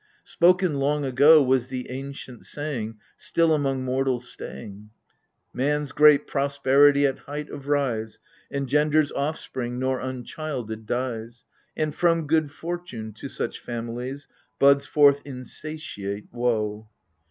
Spoken long ago Was the ancient saying Still among mortals staying :" Man's great prosperity at height of rise Engenders offspring nor unchilded dies ; And, from good fortune, to such families. Buds forth insatiate woe."